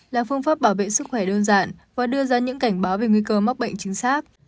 là phương pháp bảo vệ sức khỏe đơn giản và đưa ra những cảnh báo về nguy cơ mắc bệnh chính xác